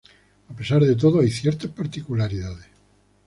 A pesar de todo, hay ciertas particularidades.